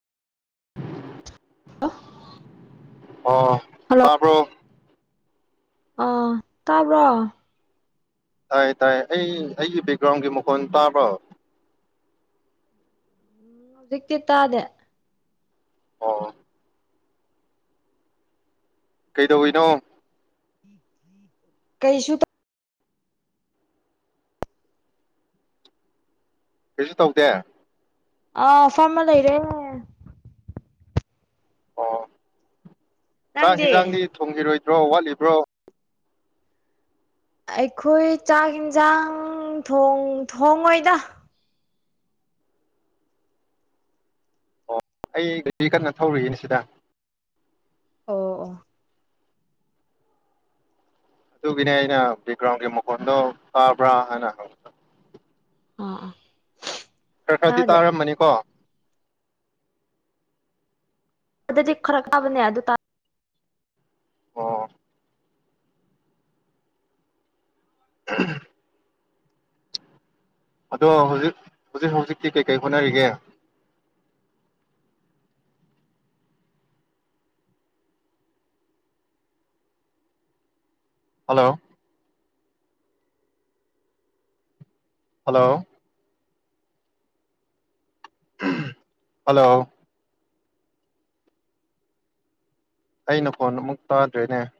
ꯑꯣ ꯍꯜꯂꯣ ꯇꯥꯕ꯭ꯔꯣ ꯑꯥ ꯇꯥꯕ꯭ꯔꯣ꯫ ꯇꯥꯏ-ꯇꯥꯏ ꯑꯩ ꯑꯩꯒꯤ ꯕꯦꯛꯒ꯭ꯔꯥꯎꯟꯒꯤ ꯃꯈꯣꯟ ꯇꯥꯕ꯭ꯔꯣ꯫ ꯍꯧꯖꯤꯛꯇꯤ ꯇꯥꯗꯦ꯫ ꯑꫭ ꯀꯩꯗꯧꯏꯅꯣ꯫ ꯀꯩꯁꯨꯨ ꯇꯧ ꯀꯩꯁꯨ ꯇꯧꯗꯦ꯫ ꯑꯥ ꯐꯝꯑ ꯂꯩꯔꯦ꯫ ꯑꫭ ꯆꯥꯛ ꯅꯪꯗꯤ ꯍꯤꯟꯖꯥꯡꯗꯤ ꯊꯣꯡꯈꯤꯔꯣꯏ ꯗ꯭ꯔꯣ ꯋꯥꯠꯂꯤꯕ꯭ꯔꯣ꯫ ꯑꯩꯈꯣꯏ ꯆꯥꯛ ꯌꯦꯟꯁꯥꯡ ꯊꫭꯡ ꯊꯣꯡꯉꯣꯏꯗ꯫ ꯑꯣ ꯑꯩ ꯒꯥꯔꯤ ꯀꯟꯅ ꯊꯧꯔꯤꯌꯦ ꯑꯁꯤꯗ꯫ ꯑꯣ ꯑꯣ ꯑꯗꯨꯒꯤꯅꯦ ꯑꯩꯅ ꯕꯦꯛꯒ꯭ꯔꯥꯎꯟꯒꯤ ꯃꯈꯣꯟꯗꯣ ꯇꯥꯕ꯭ꯔꯥ ꯍꯥꯏꯅ ꯍꯪꯕꯗꫭ꯫ ꯑꯥ ꯑꯥ ꯈꯔ ꯈꯔꯗꯤ ꯇꯥꯗꯦ ꯇꯥꯔꯝꯑꯅꯤꯀꯣ꯫ ꯑꯗꯨꯗꯤ ꯈꯔ ꯀꯥꯕꯅꯦ ꯑꯗꯨ ꯇꯥ ꯑꫭ ꯑꯗꯣ ꯍꯧꯖꯤꯛ-ꯍꯧꯖꯤꯛ ꯍꯧꯖꯤꯛꯇꯤ ꯀꯩꯀꯩ ꯍꯣꯠꯅꯔꯤꯒꯦ꯫ ꯍꯜꯂꯣ꯫ ꯍꯜꯂꯣ꯫ ꯍꯜꯂꯣ꯫ ꯑꯩꯅ ꯅꯈꫭꯟ ꯑꯃꯨꯛ ꯇꯥꯗ꯭ꯔꯦꯅꯦ꯫